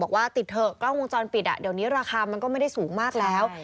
บอกว่าติดเถอะกล้องวงจรปิดเดี๋ยวนี้ราคามันก็ไม่ได้สูงมากแล้ว